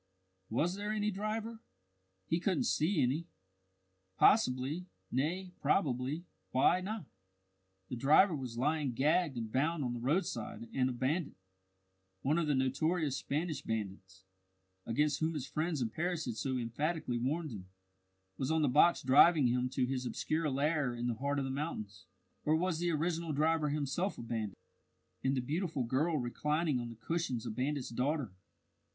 Was there any driver? He couldn't see any. Possibly, nay, probably why not? the driver was lying gagged and bound on the roadside, and a bandit, one of the notorious Spanish bandits, against whom his friends in Paris had so emphatically warned him, was on the box driving him to his obscure lair in the heart of the mountains. Or was the original driver himself a bandit, and the beautiful girl reclining on the cushions a bandit's daughter?